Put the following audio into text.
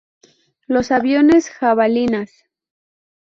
Los aviones jabalinas.